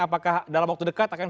apakah dalam waktu dekat akan